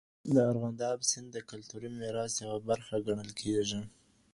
د ارغنداب سیند د کلتوري میراث یوه برخه ګڼل کيږي.